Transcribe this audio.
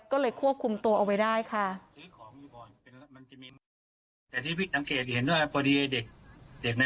ก็เลยควบคุมตัวเอาไว้ได้ค่ะ